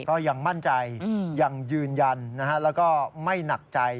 ก็ยังมั่นใจยังยืนยันแล้วก็ไม่หนักใจ